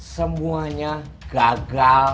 semuanya gagal total